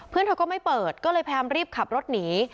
เพื่อนเธอก็ไม่เปิดก็เลยพยายามรีบขับรถหนี